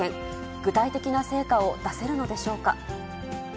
具体的な成果を出せるのでしょうか。